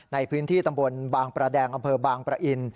ในพื้นที่ตำบลบางประแดงอำเภอบางประอิน